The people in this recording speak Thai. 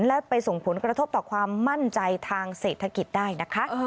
และไปส่งผลกระทบต่อความมั่นใจทางเศรษฐกิจได้นะคะ